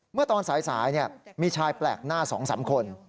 เมื่อตอนสายนี่มีชายแปลกหน้าสองสามคน